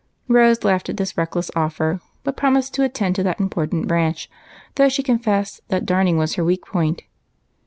Rose laughed at this reckless offer, but promised to attend to that important branch, though she con fessed that darning was her weak point.